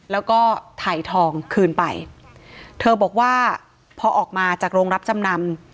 แล้วก็ถ่ายทองคืนไปเธอบอกว่าพอออกมาจากโรงรับจำนำ